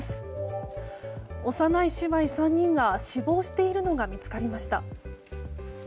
幼い姉妹３人が死亡しているのが見つかりました。